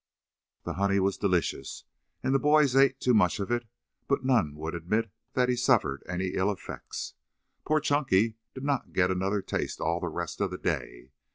The honey was delicious, and the boys ate too much of it, but none would admit that he suffered any ill effects. Poor Chunky did not get another taste all the rest of the day.